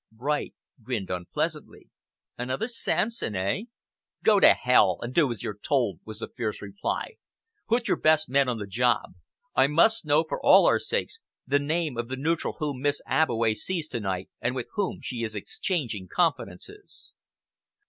Bright grinned unpleasantly. "Another Samson, eh?" "Go to Hell, and do as you're told!" was the fierce reply. "Put your best men on the job. I must know, for all our sakes, the name of the neutral whom Miss Abbeway sees to night and with whom she is exchanging confidences."